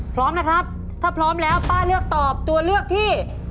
พร้อมนะครับถ้าพร้อมแล้วป้าเลือกตอบตัวเลือกที่